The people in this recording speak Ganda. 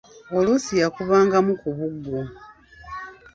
Oluusi yakubangamu ku buggo.